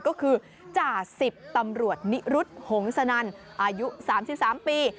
ก็คือจ่า๑๐ตำรวจนิรุธหงสนั่นอายุ๓๓ปี